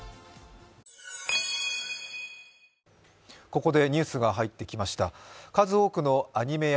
ここでニュースが入ってきました。